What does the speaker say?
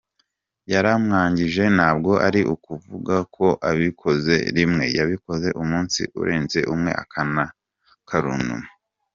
Yaramwangije ntabwo ari ukuvuga ko abikoze rimwe, yabikoze umunsi urenze umwe akana karanuma.